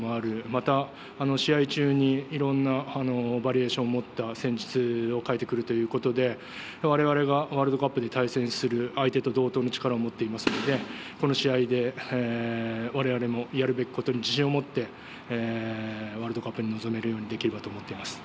また試合中にいろんなバリエーションを持った戦術を変えてくるということで我々がワールドカップで対戦する相手と同等の力を持っていますのでこの試合で我々もやるべきことに自信を持ってワールドカップに臨めるようにありがとうございました。